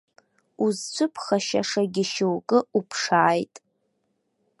Узцәыԥхашьашагьы шьоукы уԥшааит!